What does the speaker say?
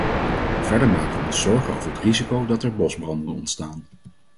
Verder maken we ons zorgen over het risico dat er bosbranden ontstaan.